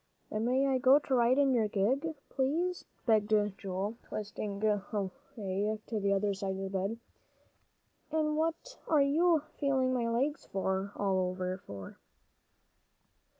"And may I go to ride in your gig?" begged Joel, twisting away to the other side of the bed, "and what are you feeling my legs all over for?"